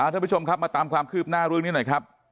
ท่านผู้ชมครับมาตามความคืบหน้าเรื่องนี้หน่อยครับ